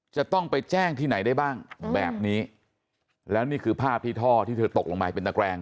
จะต้องไปแจ้งที่ไหนได้บ้างแบบนี้แล้วนี่คือภาพที่ท่อที่เธอตกลงไปเป็นตะแกรง